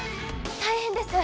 大変です！